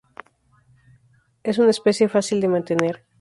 Es una especie fácil de mantener.